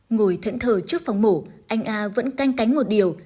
ngồi thẫn thờ trước phòng mổ anh a vẫn canh cánh một điều